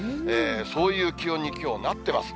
そういう気温にきょう、なってます。